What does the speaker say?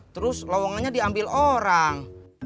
terus lowongannya diambil orang